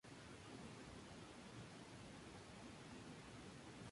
Hoy en día Villa Mussolini está abierta a eventos públicos.